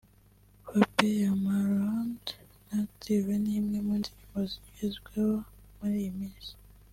Bape” ya Marnaud na Active ni imwe mu ndirimbo zigezweho muri iyi minsi